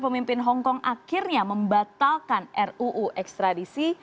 pemimpin hongkong akhirnya membatalkan ruu ekstradisi